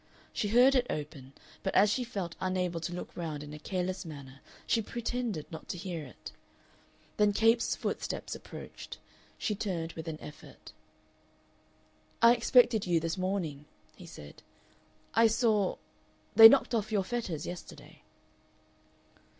She heard it open, but as she felt unable to look round in a careless manner she pretended not to hear it. Then Capes' footsteps approached. She turned with an effort. "I expected you this morning," he said. "I saw they knocked off your fetters yesterday."